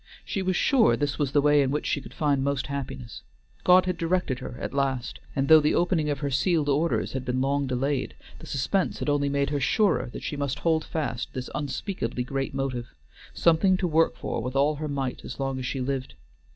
She was sure this was the way in which she could find most happiness. God had directed her at last, and though the opening of her sealed orders had been long delayed, the suspense had only made her surer that she must hold fast this unspeakably great motive: something to work for with all her might as long as she lived.